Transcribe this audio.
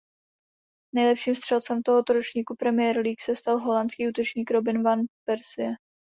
Nejlepším střelcem tohoto ročníku Premier League se stal holandský útočník Robin van Persie.